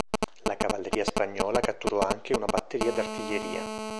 La cavalleria spagnola catturò anche una batteria d'artiglieria.